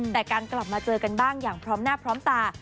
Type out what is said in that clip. แต่การกลับมาเจอกันบ้างอย่างพร้อมหน้าพร้อมตา